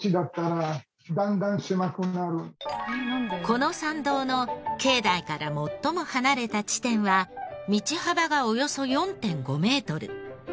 この参道の境内から最も離れた地点は道幅がおよそ４．５メートル。